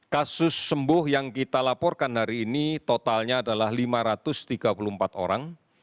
kasus sembuh yang kita laporkan hari ini totalnya adalah lima ratus tiga puluh empat orang